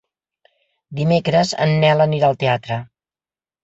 Dimecres en Nel anirà al teatre.